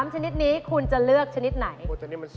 ชนิดนี้คุณจะเลือกชนิดไหน